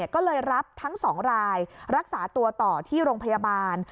ก็เลยรับทั้ง๒รายรักษาตัวต่อที่โรงพยาบาล